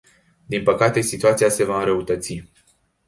Din păcate, situația se va înrăutăți.